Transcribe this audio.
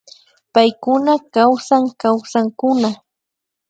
Paykuna kawsan Kawsankuna